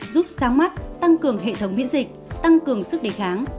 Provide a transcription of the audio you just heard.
giúp sáng mắt tăng cường hệ thống miễn dịch tăng cường sức đề kháng